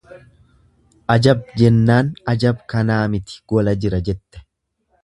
Ajab! Jennaan ajab kanaa miti gola jira jette.